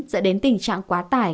dẫn đến tình trạng quá tải